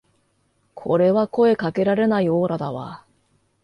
これは声かけられないオーラだわ